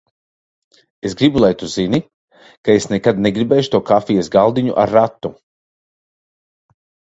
Es gribu, lai tu zini, ka es nekad negribēšu to kafijas galdiņu ar ratu.